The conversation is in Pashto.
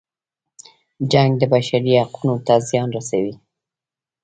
جنګ د بشري حقونو ته زیان رسوي.